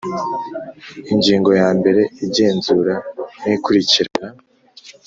Ingingo ya mbere Igenzura n ikurikirana